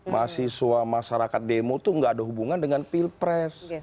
mahasiswa masyarakat demo itu gak ada hubungan dengan pilpres